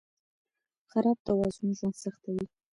خراب توازن ژوند سختوي.